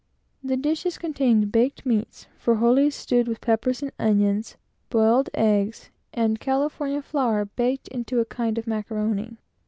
The dishes contained baked meats, frijoles stewed with peppers and onions, boiled eggs, and California flour baked into a kind of macaroni.